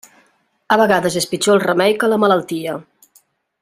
A vegades és pitjor el remei que la malaltia.